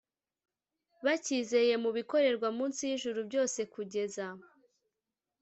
bakizeye mu bikorerwa munsi y ijuru byose kugeza